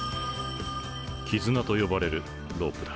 キズナと呼ばれるロープだ。